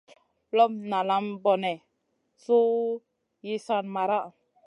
Lop nalam bone su yi san maraʼha?